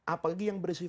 apalagi yang bersambungan